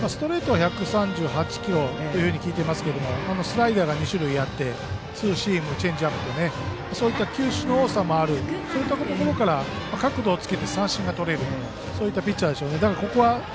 ストレートは１３８キロと聞いていますがスライダーが２種類あってツーシーム、チェンジアップと球種の多さもあるところから角度をつけて三振がとれるピッチャーです。